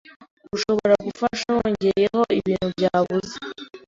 ushobora gufasha wongeyeho ibintu byabuze